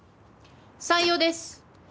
採用です。